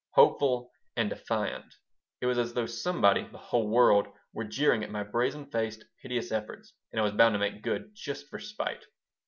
Hopeful and defiant. It was as though somebody the whole world were jeering at my brazen faced, piteous efforts, and I was bound to make good, "just for spite."